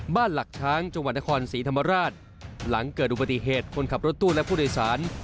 หลักช้างจังหวัดนครศรีธรรมราชหลังเกิดอุบัติเหตุคนขับรถตู้และผู้โดยสาร